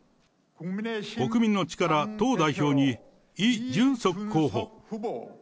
国民の力党代表にイ・ジュンソク候補。